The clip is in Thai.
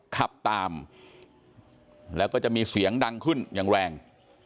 ขับตามแล้วก็จะมีเสียงดังขึ้นอย่างแรง